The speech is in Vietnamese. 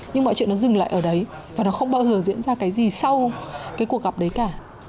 nhưng mọi chuyện nó dừng lại ở đấy và nó không bao giờ diễn ra cái gì sau cái cuộc gặp đấy cả